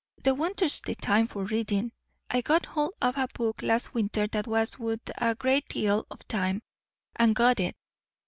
The winter's the time for readin'. I got hold o' a book last winter that was wuth a great deal o' time, and got it.